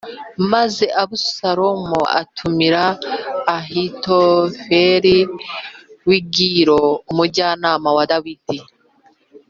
Maze Abusalomu atumira Ahitofeli w’i Gilo umujyanama wa Dawidi